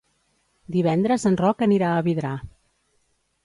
Divendres en Roc anirà a Vidrà.